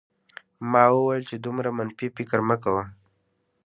ما وویل چې دومره منفي فکر مه کوه